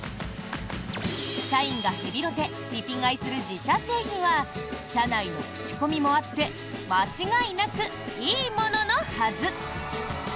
社員がヘビロテ・リピ買いする自社製品は社内の口コミもあって間違いなくいいもののはず！